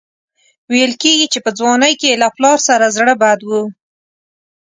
ویل کېږي چې په ځوانۍ کې یې له پلار سره زړه بد و.